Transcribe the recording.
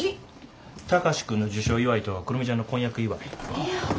貴司君の受賞祝いと久留美ちゃんの婚約祝い。